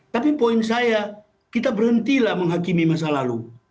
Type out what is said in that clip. tapi poin saya kita berhentilah menghakimi masa lalu